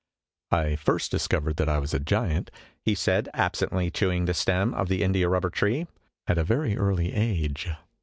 " I first discovered that I was a giant," he said, absently chewing the stem of the India rubber tree, "at a very early age.